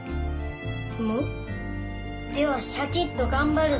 む？ではシャキッと頑張るぞよ。